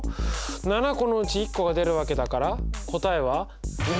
７個のうち１個が出るわけだから答えは。